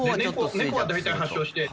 猫は大体、発症して。